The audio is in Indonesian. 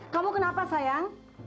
kamu kenapa sayang